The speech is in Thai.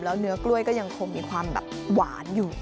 แล้วเนื้อกล้วยก็ยังคงมีความแบบหวานอยู่